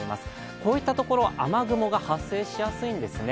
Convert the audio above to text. こういったところ、雨雲が発生しやすいんですね。